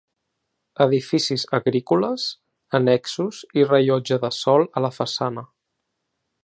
Edificis agrícoles annexos i rellotge de sol a la façana.